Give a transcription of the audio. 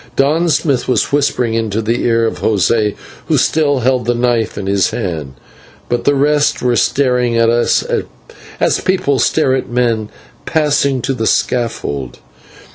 Don Smith was whispering into the ear of José, who still held the knife in his hand, but the rest were staring at us as people stare at men passing to the scaffold.